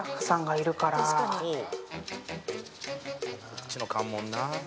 「こっちの関門な」